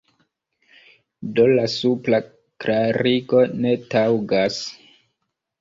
Do la supra klarigo ne taŭgas.